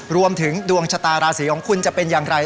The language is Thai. รวมถึงดวงชะตาราศีของคุณจะเป็นอย่างไร